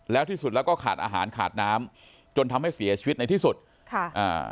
แล้วที่สุดแล้วก็ขาดอาหารขาดน้ำจนทำให้เสียชีวิตในที่สุดค่ะอ่า